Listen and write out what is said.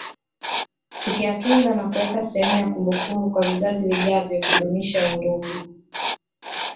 Tukiyatunza na kuweka sehemu ya kumbukumbu kwa vizazi vijavyo kudumisha undugu